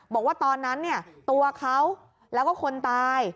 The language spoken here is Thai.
บอกว่าตอนนั้นตัวเขาแล้วก็คนตาย